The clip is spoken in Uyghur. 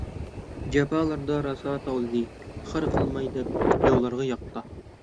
جاپالاردا راسا تاۋلىدى، خار قىلماي دەپ ياۋلارغا ياتقا.